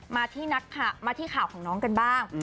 มาที่ข่าวของน้องกันบ้าง